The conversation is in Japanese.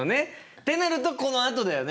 ってなるとこのあとだよね。